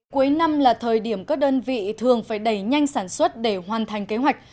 cuối năm là thời điểm các đơn vị thường phải đẩy nhanh sản xuất để hoàn thành kế hoạch